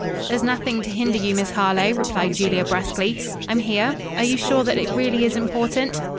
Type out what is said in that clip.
"There's nothing to hinder you, Miss Harlowe," replied Julia brusquely. "I'm here. Are you sure that it really is important?"